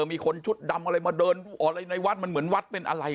มีคนชุดดำอะไรมาเดินอะไรในวัดมันเหมือนวัดเป็นอะไร